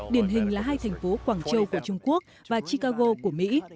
điển hình là hai thành phố quảng châu của trung quốc và chicago của mỹ